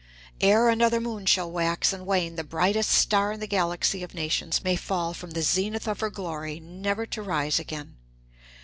Ere another moon shall wax and wane the brightest star in the galaxy of nations may fall from the zenith of her glory never to rise again.